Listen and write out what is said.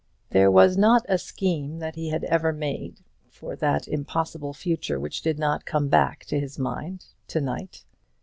There was not a scheme that he had ever made for that impossible future which did not come back to his mind to night.